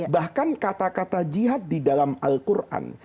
bahkan kata kata jihad di dalam al quran